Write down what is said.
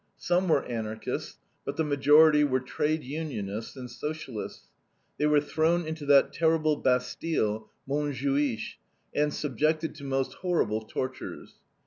Some were Anarchists, but the majority were trade unionists and Socialists. They were thrown into that terrible bastille, Montjuich, and subjected to most horrible tortures.